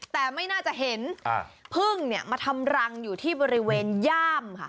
แต่ไม่น่าจะเห็นพึ่งเนี่ยมาทำรังอยู่ที่บริเวณย่ามค่ะ